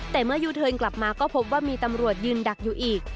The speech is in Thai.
แต่เมื่อยูเทิร์นกลับมาก็พบว่ามีตำรวจยืนดักอยู่อีก